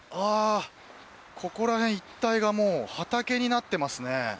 ここら辺一帯がもう畑になっていますね。